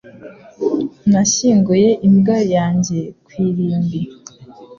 Nashyinguye imbwa yanjye ku irimbi